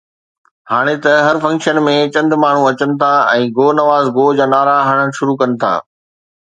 هاڻي ته هر فنڪشن ۾ چند ماڻهو اچن ٿا ۽ ”گو نواز گو“ جا نعرا هڻڻ شروع ڪن ٿا.